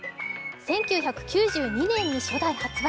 １９９２年に初代発売。